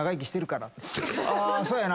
そうやな！